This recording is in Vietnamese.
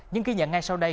những ký nhận ngay sau đây